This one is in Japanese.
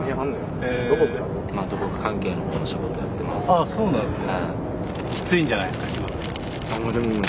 ああそうなんすね。